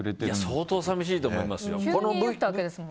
相当寂しいと思いますよ。